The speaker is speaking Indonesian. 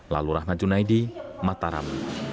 lalu rahmat junaidi mataram